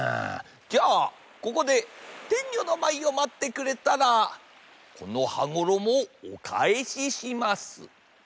じゃあここでてんにょのまいをまってくれたらこの羽衣をおかえしします。